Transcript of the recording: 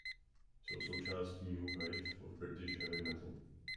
Jsou součástí New Wave of British Heavy Metal.